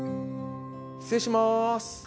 失礼します。